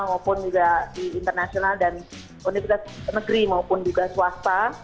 maupun juga di internasional dan universitas negeri maupun juga swasta